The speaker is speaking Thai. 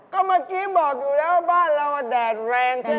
ก็เมื่อกี้บอกอยู่แล้วบ้านเราแดดแรงใช่ไหม